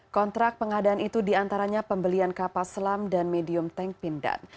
kontrak pengadaan itu diantaranya pembelian kapal selam dan medium tank pindad